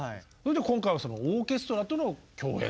今回はそのオーケストラとの共演という。